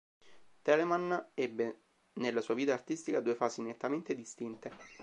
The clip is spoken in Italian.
Telemann ebbe nella sua vita artistica due fasi nettamente distinte.